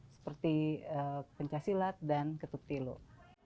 seperti pencaksilat dan ketuk tiluk